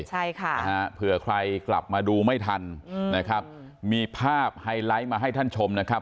ใช่ค่ะนะฮะเผื่อใครกลับมาดูไม่ทันนะครับมีภาพไฮไลท์มาให้ท่านชมนะครับ